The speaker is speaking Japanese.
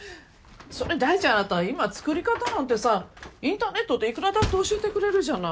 それに第一あなた今作り方なんてさインターネットでいくらだって教えてくれるじゃない。